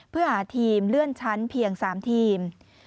เพื่อหาทีมเลื่อนชั้นเพียง๓ทีม